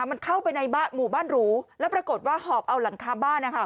มันเข้าไปในบ้านหมู่บ้านหรูแล้วปรากฏว่าหอบเอาหลังคาบ้านนะคะ